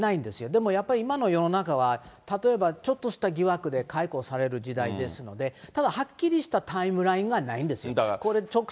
でもやっぱり今の世の中は、例えばちょっとした疑惑で解雇される時代ですので、ただ、はっきりしたタイムラインがないんですよ。